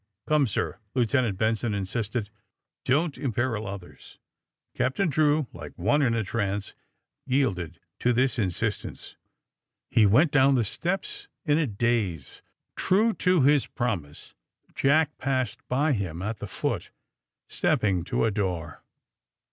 *^Come, sir," Lieutenant Benson insisted. Don't imperil others!" Captain Drew, like one in a trance yielded to this insistence. He went down the steps in a 140 THE SUBMARINE BOYS daze. True to Ms promise Jack passed by Mm at the foot, stepping to a door.